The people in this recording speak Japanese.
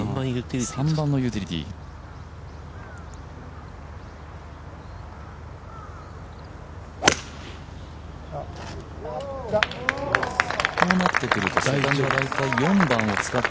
３番のユーティリティーですかね。